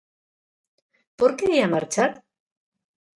Por que ía marchar?